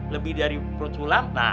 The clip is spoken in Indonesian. lebih dari perut sulam